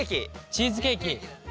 チーズケーキ。